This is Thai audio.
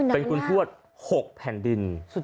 เป็นคุณทวด๖แผ่นดิน